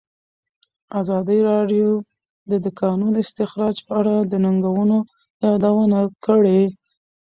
ازادي راډیو د د کانونو استخراج په اړه د ننګونو یادونه کړې.